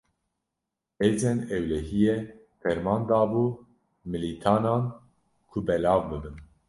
Hêzên ewlehiyê, ferman dabû milîtanan ku belav bibin